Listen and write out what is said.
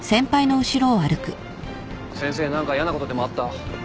先生何か嫌なことでもあった？